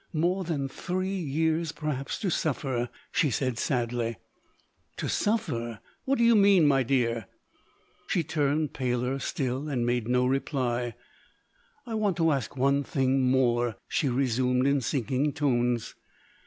"More than three years perhaps to suffer!" she said sadly. "To suffer? What do you mean, my dear?" She turned paler still, and made no reply. "I want to ask one thing more?" she resumed, in sinking tones.